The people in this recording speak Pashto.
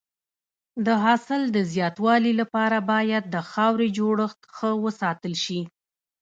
د حاصل د زیاتوالي لپاره باید د خاورې جوړښت ښه وساتل شي.